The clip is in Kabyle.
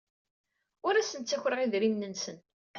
Ur asen-ttakreɣ idrimen-nsen.